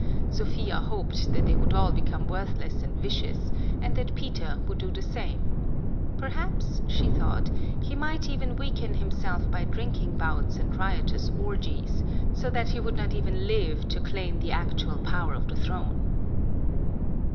Sophia hoped that they would all become worthless and vicious and that Peter would do the same. Perhaps, she thought, he might even weaken himself by drinking bouts and riotous orgies so that he would not even live to claim the actual power of the throne.